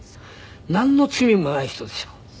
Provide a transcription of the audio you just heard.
なんの罪もない人ですよ。